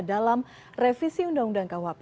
dalam revisi undang undang kuhp